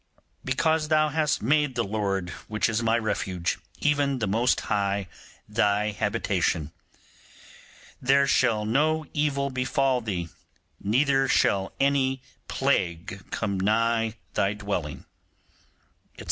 Because thou hast made the Lord, which is my refuge, even the most High, thy habitation; there shall no evil befall thee, neither shall any plague come nigh thy dwelling,' &C.